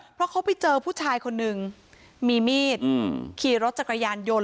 เพราะเขาไปเจอผู้ชายคนนึงมีมีดขี่รถจักรยานยนต์